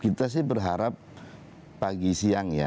kita sih berharap pagi siang ya